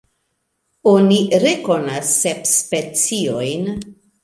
Oni rekonas sep speciojn.